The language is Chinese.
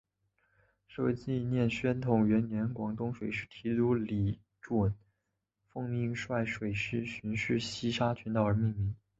是为纪念宣统元年广东水师提督李准奉命率水师巡视西沙群岛而命名。